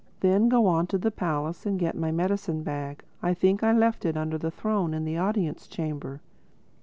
Then go on to the palace and get my medicine bag. I think I left it under the throne in the Audience Chamber."